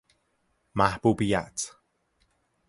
محبوبیت